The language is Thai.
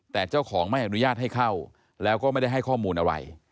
แต่เจ้าของไม่อนุญาตให้เข้าแล้วก็ไม่ได้ให้ข้อมูลอะไร